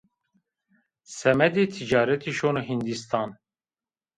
Semedê tîcaretî şono Hindîstan